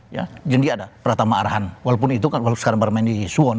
jadi dia ada pratama arahan walaupun sekarang baru main di suwon